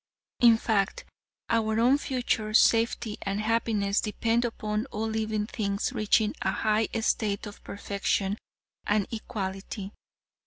In fact, our own future safety and happiness depend upon all living things reaching a high state of perfection and equality.